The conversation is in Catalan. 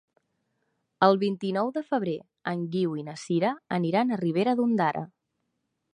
El vint-i-nou de febrer en Guiu i na Sira aniran a Ribera d'Ondara.